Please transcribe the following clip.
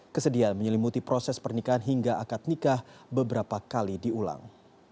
kesedihan menyelimuti proses pernikahan hingga akad nikah beberapa kali diulang